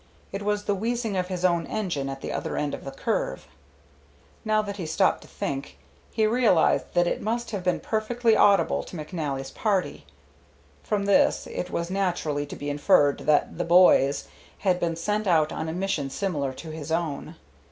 It was the wheezing of his own engine at the other end of the curve. Now that he stopped to think, he realized that it must have been perfectly audible to McNally's party. From this it was naturally to be inferred that "the boys" had been sent out on a mission similar to his own.